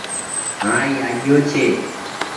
هآن اي آگيو ڇي۔